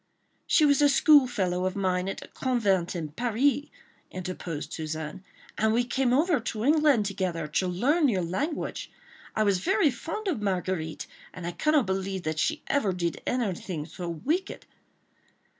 "She was a school fellow of mine at the convent in Paris," interposed Suzanne, "and we came over to England together to learn your language. I was very fond of Marguerite, and I cannot believe that she ever did anything so wicked."